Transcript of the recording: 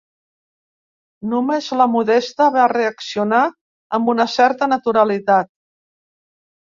Només la Modesta va reaccionar amb una certa naturalitat.